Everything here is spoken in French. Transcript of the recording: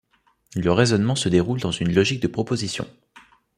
Le raisonnement se déroule dans une logique de propositions.